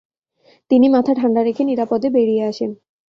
তিনি মাথা ঠান্ডা রেখে নিরাপদে বেড়িয়ে আসেন।